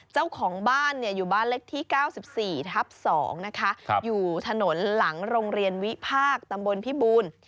เจ้าของบ้านเนี่ยอยู่บ้านเล็กที่เก้าสิบสี่ทับสองนะคะครับอยู่ถนนหลังโรงเรียนวิภาคตำบลพี่บูน